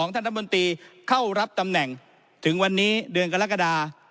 ท่านรัฐมนตรีเข้ารับตำแหน่งถึงวันนี้เดือนกรกฎา